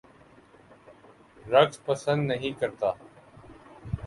رقص پسند نہیں کرتا